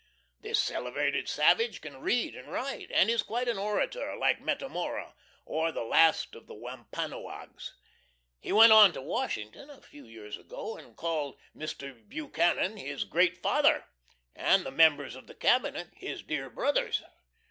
This celebrated savage can read and write, and is quite an orator, like Metamora, or the last of the Wampanoags. He went on to Washington a few years ago and called Mr. Buchanan his Great Father, and the members of the Cabinet his dear Brothers.